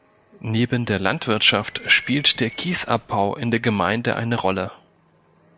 Neben der Landwirtschaft spielt der Kiesabbau in der Gemeinde eine Rolle.